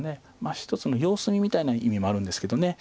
一つの様子見みたいな意味もあるんですけど。